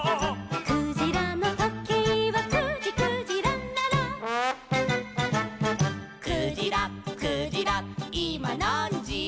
「クジラのとけいは９じ９じららら」「クジラクジラいまなんじ」